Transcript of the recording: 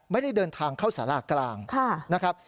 ไม่ได้เดินทางเข้าสารากลางนะครับ